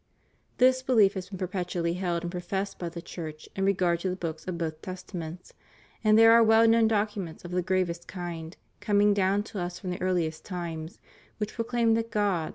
' This behef has been perpetually held and professed by the Church in re gard to the Books of both Testaments ; and there are well known documents of the gravest kind, coming dovm to us from the earliest times, which proclaim that God, who * Ck)nc.